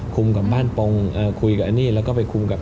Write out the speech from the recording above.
กับบ้านปงคุยกับอันนี้แล้วก็ไปคุมกับ